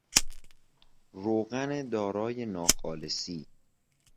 روغن دارای ناخالصی